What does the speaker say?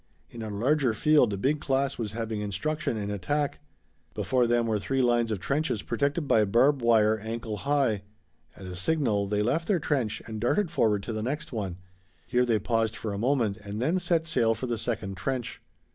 In a larger field a big class was having instruction in attack. Before them were three lines of trenches protected by barbed wire ankle high. At a signal they left their trench and darted forward to the next one. Here they paused for a moment and then set sail for the second trench.